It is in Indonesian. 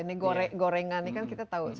ini gorengan ini kan kita tahu